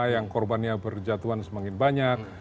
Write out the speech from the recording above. yang korbannya berjatuhan semakin banyak